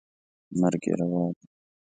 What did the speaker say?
مرګ یې روا دی.